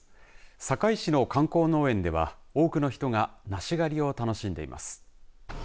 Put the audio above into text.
堺市の観光農園では多くの人が梨狩りを楽しんでいます。